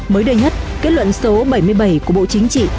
mới đây nhất kết luận số bảy mươi bảy của bộ chính trị